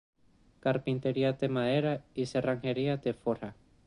Carpintería de madera, y cerrajería de forja.